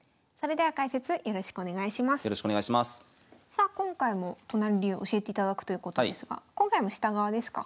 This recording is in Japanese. さあ今回も都成流教えていただくということですが今回も下側ですか？